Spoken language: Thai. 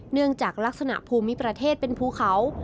เนื่องจากลักษณะภูมิประเทศเป็นภูเขา